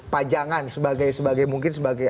pajangan mungkin sebagai